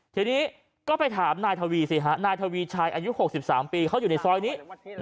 ทีนี้ก็ไปถามนายทวีสิฮะนายทวีชัยอายุ๖๓ปีเขาอยู่ในซอยนี้